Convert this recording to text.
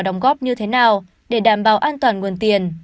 hợp đồng góp như thế nào để đảm bảo an toàn nguồn tiền